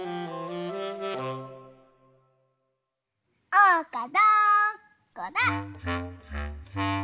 ・おうかどこだ？